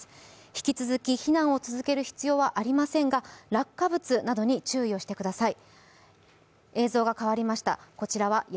引き続き避難を続ける必要はありませんが、落下物などに注意をしてください。